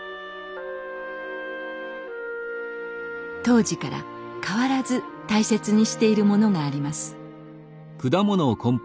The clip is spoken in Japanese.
当時から変わらず大切にしているものがあります。